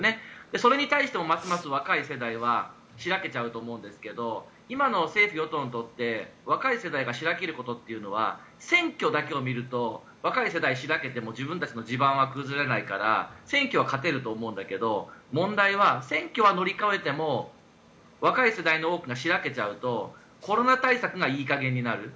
それに対しても、まず若い世代は白けちゃうと思うんですけど今の政府・与党にとって若い世代が白けることっていうのは選挙だけを見ると若い世代が白けても自分たちの地盤は崩れないから選挙は勝てると思うんだけど問題は選挙は乗り越えても若い世代の多くが白けちゃうとコロナ対策がいい加減になる。